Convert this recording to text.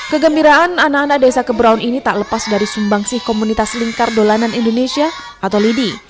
kegembiraan anak anak desa kebraun ini tak lepas dari sumbangsih komunitas lingkar dolanan indonesia atau lidi